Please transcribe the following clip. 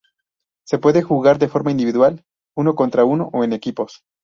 Se puede jugar de forma individual, uno contra uno o en equipos.